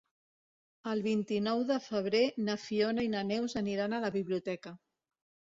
El vint-i-nou de febrer na Fiona i na Neus aniran a la biblioteca.